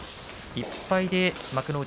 １敗で幕内